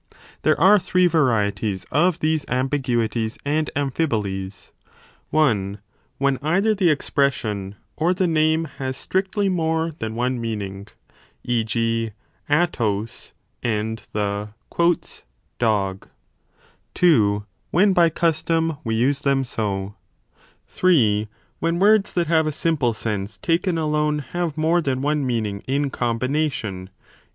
1 There are 15 three varieties of these ambiguities and amphibolies: (i) When either the expression or the name has strictly more than one meaning, e. g. aero? and the dog ; (2) when by custom we use them so ; (3) when words that have a simple sense taken alone have more than one meaning in com 1 Cf. PI. Euthyd.